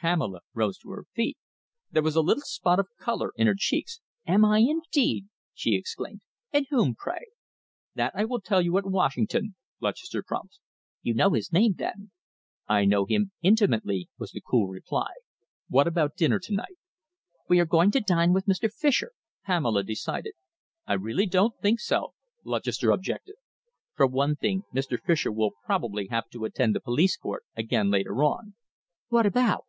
Pamela rose to her feet. There was a little spot of colour in her cheeks. "Am I indeed!" she exclaimed. "And whom, pray?" "That I will tell you at Washington," Lutchester promised. "You know his name, then?" "I know him intimately," was the cool reply. "What about our dinner to night?" "We are going to dine with Mr. Fischer," Pamela decided. "I really don't think so," Lutchester objected. "For one thing, Mr. Fischer will probably have to attend the police court again later on." "What about?"